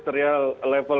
terima kasih pak